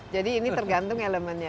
jadi ini tergantung elemennya